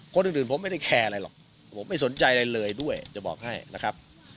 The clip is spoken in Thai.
คนอื่นผมไม่ได้แคร์อะไรหรอกผมไม่สนใจอะไรเลยด้วยจะบอกให้นะครับ